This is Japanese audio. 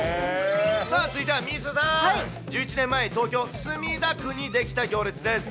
さあ続いてはみーすーさん、１１年前、東京・墨田区に出来た行列です。